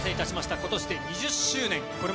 今年で２０周年。